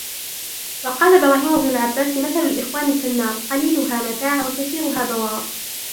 وَقَالَ إبْرَاهِيمُ بْنُ الْعَبَّاسِ مَثَلُ الْإِخْوَانِ كَالنَّارِ قَلِيلُهَا مَتَاعٌ وَكَثِيرُهَا بَوَارٌ